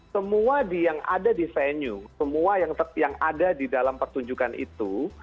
semua yang ada di venue semua yang ada di dalam pertunjukan itu